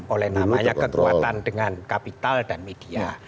oleh namanya kekuatan dengan kapital dan media